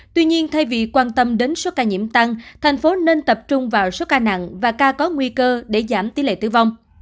tuy nhiên thay vì quan tâm đến số ca nhiễm tăng thành phố nên tập trung vào số ca nặng và ca có nguy cơ để giảm tỷ lệ tử vong